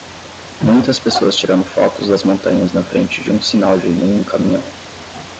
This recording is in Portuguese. muitas pessoas tirando fotos das montanhas na frente de um sinal de nenhum caminhão